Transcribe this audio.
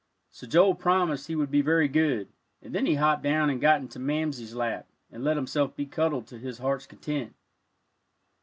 So Joel promised he would be very good, and then he hopped down and got into Mamsie's lap, and let himself be cuddled to his heart's content.